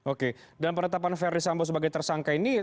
oke dan penetapan ferris ambo sebagai tersangka ini